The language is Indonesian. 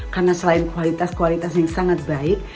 karena selain kualitas kualitas yang sangat baik